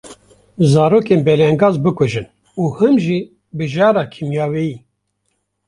zarokên belengaz bikujin û him jî bi jara kîmyewiyê.